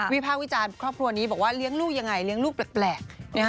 ภาควิจารณ์ครอบครัวนี้บอกว่าเลี้ยงลูกยังไงเลี้ยงลูกแปลก